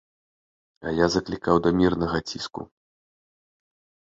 А я заклікаў да мірнага ціску.